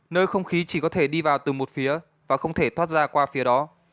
nơi không khí chỉ có thể đi vào từ một phía và không thể thoát ra qua phía đó